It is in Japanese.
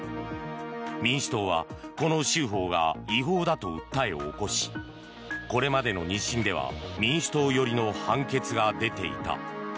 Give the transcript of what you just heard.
民主党は、この州法が違法だと訴えを起こしこれまでの２審では民主党寄りの判決が出ていた。